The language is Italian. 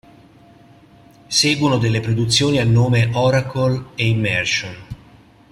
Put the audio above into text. Seguono delle produzioni a nome Oracle e Immersion.